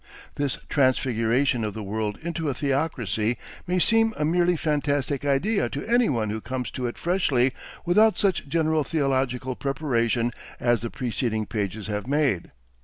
This transfiguration of the world into a theocracy may seem a merely fantastic idea to anyone who comes to it freshly without such general theological preparation as the preceding pages have made.